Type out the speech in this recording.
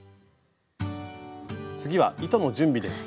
次は糸の準備です。